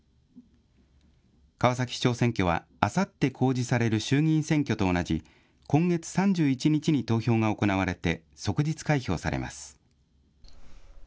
川崎市長選挙はあさって公示される衆議院選挙と同じ今月３１日に投票が行われて即日開票されます。